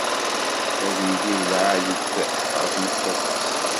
Ad yili d lɛali-t ɣer tmeṭṭut-is.